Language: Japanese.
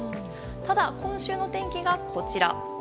ただ、今週の天気がこちら。